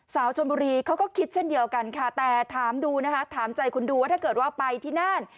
สาวชนบุรีเขาก็คิดเช่นเดียวกันค่ะแต่ถามดูนะคะถามใจคุณดูว่าถ้าเกิดว่าไปที่น่าน